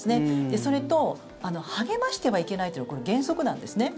それと励ましてはいけないというのは原則なんですね。